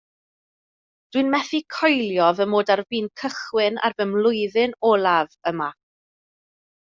Dwi'n methu coelio fy mod ar fin cychwyn ar fy mlwyddyn olaf yma